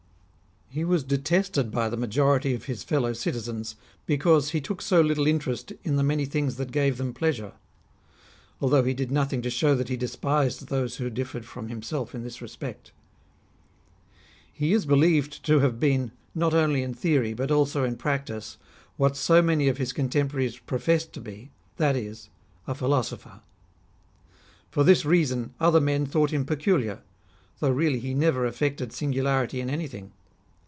He was detested by the majority of his fellow citizens, because he took so little interest in the many things that gave them pleasure ; although he did nothing to show that he despised those who differed from himself in this respect. He is believed to have been, not only in theory, but also in practice, what so many of liis contemporaries professed to be, that is, a philosopher. For this reason other men thought him peculiar, though really he never affected singularity in anything.